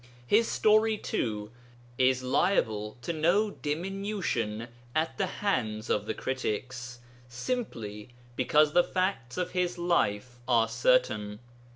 His story, too, is liable to no diminution at the hands of the critics, simply because the facts of his life are certain.